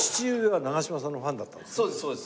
そうですそうです。